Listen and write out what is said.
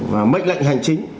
và mệnh lệnh hành chính